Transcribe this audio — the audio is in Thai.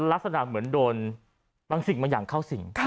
ลักษณะเหมือนโดนบางสิ่งบางอย่างเข้าสิ่ง